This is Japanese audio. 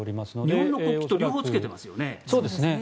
日本の国旗と両方つけてますよね。